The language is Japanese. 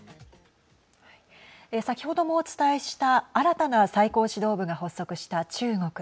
先ほどもお伝えした新たな最高指導部が発足した中国。